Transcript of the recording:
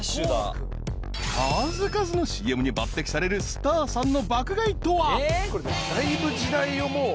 ［数々のＣＭに抜てきされるスターさんの爆買いとは］